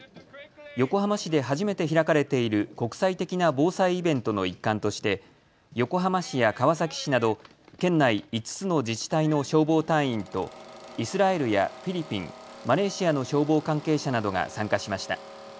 横浜市で初めて開かれている国際的な防災イベントの一環として横浜市や川崎市など県内５つの自治体の消防隊員とイスラエルやフィリピン、マレーシアの消防関係者などが参加しました。